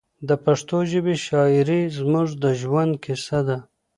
د پښتو ژبې شاعري زموږ د ژوند کیسه ده.